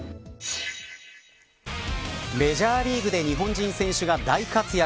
メジャーリーグで日本人選手が大活躍。